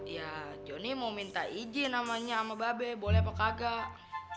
ya jonny mau minta izin sama nya sama babe boleh apa kagak